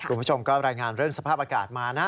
คุณผู้ชมก็รายงานเรื่องสภาพอากาศมานะ